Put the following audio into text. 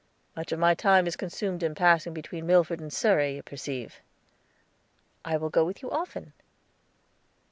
"Much of my time is consumed in passing between Milford and Surrey, you perceive." "I will go with you often."